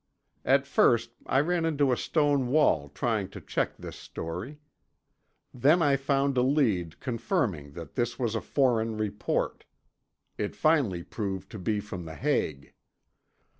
At first I ran into a stone wall trying to check this story. Then I found a lead conforming that this was a foreign report. It finally proved to be from The Hague.